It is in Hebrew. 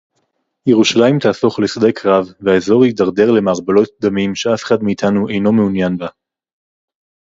ירושלים תהפוך לשדה קרב והאזור יידרדר למערבולת דמים שאף אחד מאתנו אינו מעוניין בה